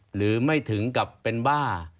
หรือไม่ถึงกับเป็นบ้า